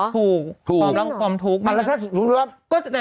ถูกความรักคือความทุกข์แล้วถ้าสิ่งสุดท้ายรึเปล่า